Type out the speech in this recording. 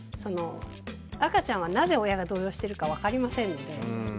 赤ちゃんはなぜ親が動揺してるか分かりませんので。